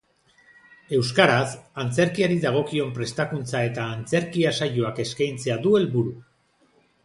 Euskaraz, antzerkiari dagokion prestakuntza eta antzerkia saioak eskaintzea du helburu.